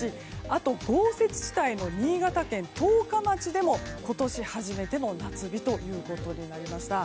あと豪雪地帯の新潟県十日町でも今年初めての夏日ということになりました。